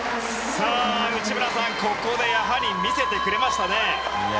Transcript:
内村さん、ここでやはり見せてくれましたね。